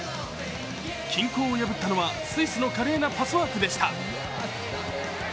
均衡を破ったのはスイスの華麗なパスワークでした。